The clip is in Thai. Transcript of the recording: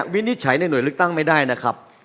วินิจฉัยในหน่วยเลือกตั้งไม่ได้นะครับ